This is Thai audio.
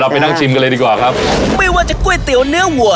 ไปนั่งชิมกันเลยดีกว่าครับไม่ว่าจะก๋วยเตี๋ยวเนื้อวัว